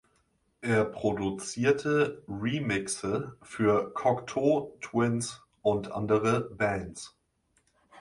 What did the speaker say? Er produzierte Remixe für Cocteau Twins und andere Bands.